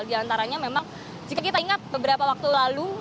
di antaranya memang jika kita ingat beberapa waktu lalu